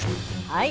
はい。